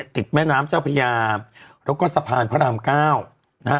ติดแม่น้ำเจ้าพญาโรก็สะพานพระรามเก้า